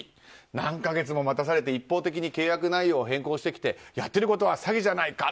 何か月も待たされて一方的に契約内容を変更してきてやってることは詐欺じゃないか。